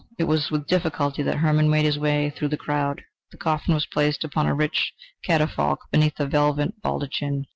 It was with difficulty that Hermann made his way through the crowd of people. The coffin was placed upon a rich catafalque beneath a velvet baldachin.